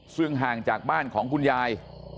ซึ่งห่างจากบ้านของคุณยาย